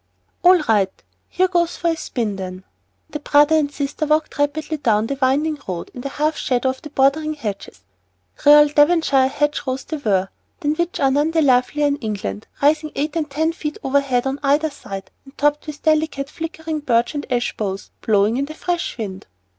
"All right. Here goes for a spin, then." The brother and sister walked rapidly on down the winding road, in the half shadow of the bordering hedges. Real Devonshire hedge rows they were, than which are none lovelier in England, rising eight and ten feet overhead on either side, and topped with delicate, flickering birch and ash boughs blowing in the fresh wind.